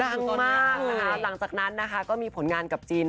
ตัวมากนะคะหลังจากนั้นนะคะก็มีผลงานกับจีน